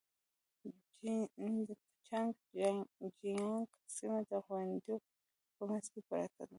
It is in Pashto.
جين چنګ جيانګ سيمه د غونډيو په منځ کې پرته ده.